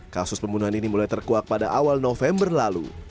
kasus pembunuhan ini mulai terkuak pada awal november lalu